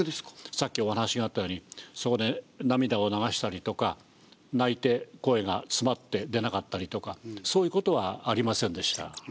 さっきお話があったようにそこで涙を流したりとか泣いて声が詰まって出なかったりとかそういうことはありませんでした。